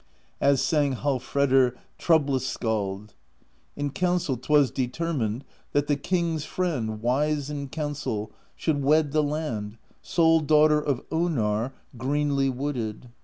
As sang Hallfredr Troublous Skald: In council *t was determined That the King's friend, wise in counsel. Should wed the Land, sole Daughter Of Onarr, greenly wooded.